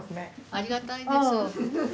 ありがたいです。